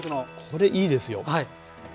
これいいですよ。